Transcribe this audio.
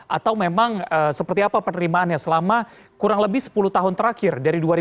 atau memang seperti apa penerimaannya selama kurang lebih sepuluh tahun terakhir